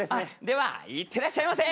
では行ってらっしゃいませ！